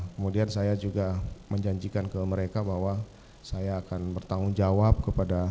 kemudian saya juga menjanjikan ke mereka bahwa saya akan bertanggung jawab kepada